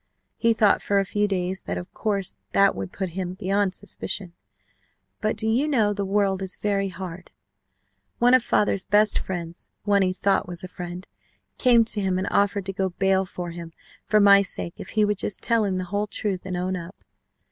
We thought for a few days that of course that would put him beyond suspicion but do you know, the world is very hard. One of father's best friends one he thought was a friend came to him and offered to go bail for him for my sake if he would just tell him the whole truth and own up.